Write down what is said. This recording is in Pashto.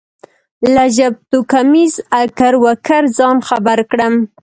له ژبتوکمیز اکر و کره ځان خبر کړم.